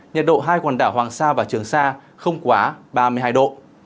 nhiệt độ hai quần đảo hoàng sa và trường sa không quá ba mươi hai độ